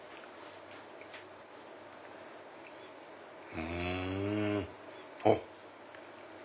ふんあっ。